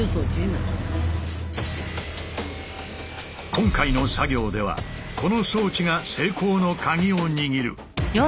今回の作業ではこの装置が成功の鍵を握る。